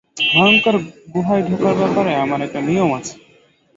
ভয়ঙ্কর গুহায় ঢোকার ব্যাপারে আমার একটা নিয়ম আছে।